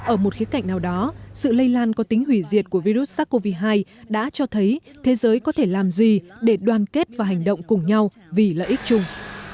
ở một khía cạnh nào đó sự lây lan có tính hủy diệt của virus sars cov hai đã cho thấy thế giới có thể làm gì để đoàn kết và hành động cùng nhau vì lợi ích chung